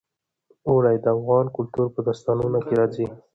اوړي د افغان کلتور په داستانونو کې راځي.